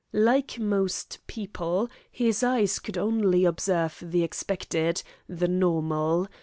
Like most people, his eyes could only observe the expected, the normal.